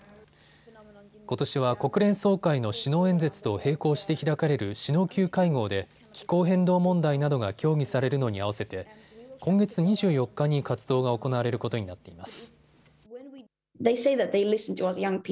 ことしは国連総会の首脳演説と並行して開かれる首脳級会合で気候変動問題などが協議されるのに合わせて今月２４日に活動が行われることになっています。